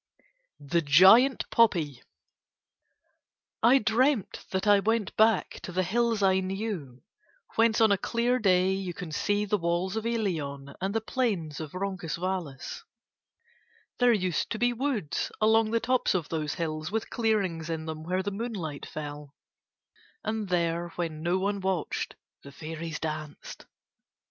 THE GIANT POPPY I dreamt that I went back to the hills I knew, whence on a clear day you can see the walls of Ilion and the plains of Roncesvalles. There used to be woods along the tops of those hills with clearings in them where the moonlight fell, and there when no one watched the fairies danced.